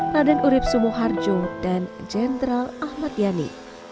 raden urib sumuharjo dan jenderal ahmad yani